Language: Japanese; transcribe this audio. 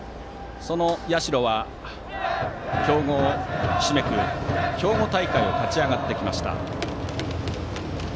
社は強豪ひしめく兵庫大会を勝ち上がってきました。